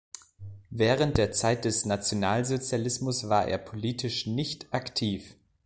Während der Zeit des Nationalsozialismus war er politisch nicht aktiv.